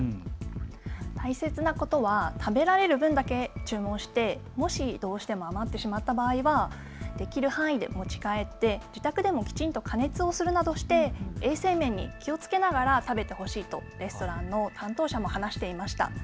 大切なことは食べられる分だけ注文して、もしどうしても余ってしまった場合はできる範囲で持ち帰って自宅でもきちんと加熱をするなどして衛生面に気をつけながら食べてほしいとレストランの担当者も話していました。